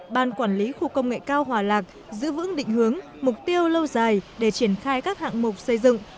ban quản lý khu công nghệ cao hòa lạc giữ vững định hướng mục tiêu lâu dài để triển khai các hạng mục xây dựng